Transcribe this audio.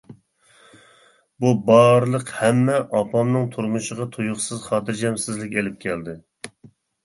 بۇ بارلىق ھەممە ئاپامنىڭ تۇرمۇشىغا تۇيۇقسىز خاتىرجەمسىزلىك ئېلىپ كەلدى.